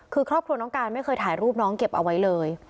คือครอบครัวน้องการไม่เคยถ่ายรูปน้องเก็บเอาไว้เลย